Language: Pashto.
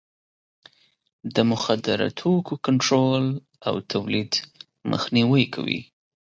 د مخدره توکو کنټرول او تولید مخنیوی کوي.